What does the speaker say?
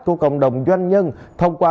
của cộng đồng doanh nhân thông qua